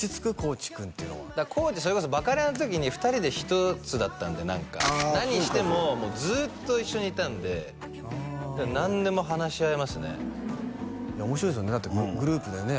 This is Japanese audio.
地君っていうのは地それこそ「バカレア」の時に２人で１つだったんで何か何してもずっと一緒にいたんで何でも話し合いますねいや面白いですよねだってグループでね